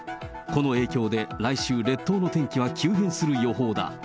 この影響で来週、列島の天気は急変する予報だ。